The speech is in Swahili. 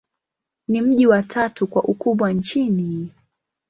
Ni mji wa tatu kwa ukubwa nchini.